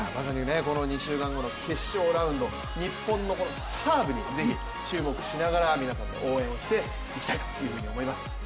この２週間後の決勝ラウンド日本のサーブに是非注目しながら皆さんと応援をしていきたいと思います。